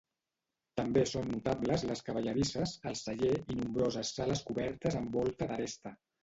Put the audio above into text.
També són notables les cavallerisses, el celler i nombroses sales cobertes amb volta d'aresta.